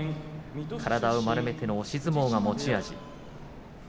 体を丸めての押し相撲が持ち味です。